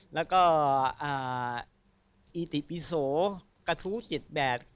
แล้วก็อีติปิโสกะทูจิตแบด